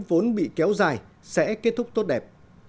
vốn bị kéo dài sẽ kết thúc tốt đẹp